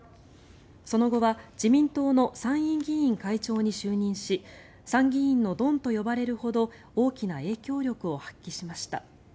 その後は自民党の参院議員会長に就任し参議院のドンと呼ばれるほど大きな影響力を発揮しました。